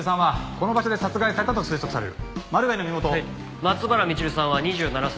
松原みちるさんは２７歳。